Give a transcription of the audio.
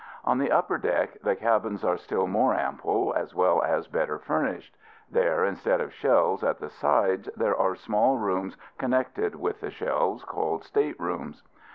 On the upper deck the cabins are still more ample, as well as better furnished. There, instead of shelves at the sides, there are small rooms connected with the shelves, called state rooms.